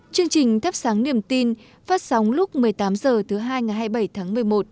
chương trình thắp sáng niềm tin phát sóng lúc một mươi tám h thứ hai ngày hai mươi bảy tháng một mươi một